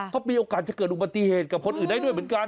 ก็มีโอกาสจะเกิดอุบัติเหตุกับคนอื่นได้ด้วยเหมือนกัน